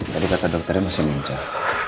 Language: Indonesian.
tadi kata dokternya masih mincar